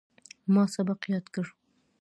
ما سبق یاد کړ.